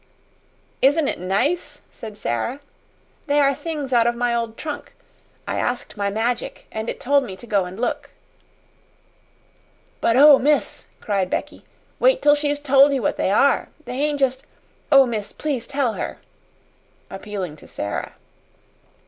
"Isn't it nice?" said Sara. "They are things out of my old trunk. I asked my Magic, and it told me to go and look." "But oh, miss," cried Becky, "wait till she's told you what they are! They ain't just oh, miss, please tell her," appealing to Sara.